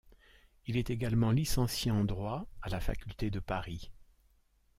Il est également licencié en droit à la faculté de Paris.